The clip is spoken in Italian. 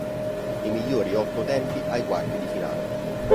I migliori otto tempi ai quarti di finale